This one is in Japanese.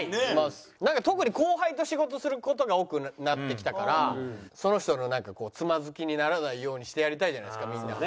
なんか特に後輩と仕事する事が多くなってきたからその人のなんかこうつまずきにならないようにしてやりたいじゃないですかみんな。